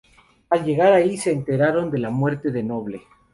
Al llegar allí se enteraron de la muerte de Noble.